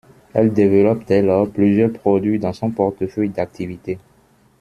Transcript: Elle développe dès lors plusieurs produits dans son portefeuille d'activité.